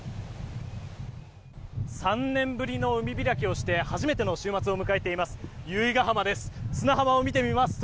３年ぶりの海開きをして初めての週末を迎えています。